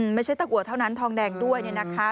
ตะกัวเท่านั้นทองแดงด้วยนะคะ